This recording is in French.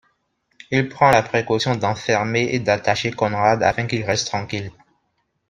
Il prend la précaution d’enfermer et d’attacher Konrad afin qu'il reste tranquille.